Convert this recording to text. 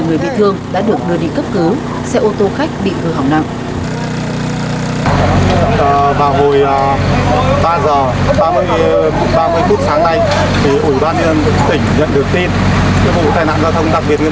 một mươi người bị thương đã được người đi cấp cứu xe ô tô khách bị hư hỏng nặng